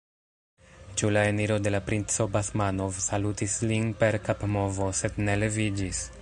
Ĉu la eniro de la princo Basmanov salutis lin per kapmovo, sed ne leviĝis.